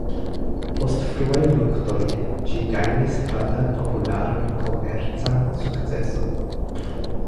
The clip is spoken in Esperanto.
Post fruaj luktoj, ĝi gajnis grandan popularan komercan sukceson.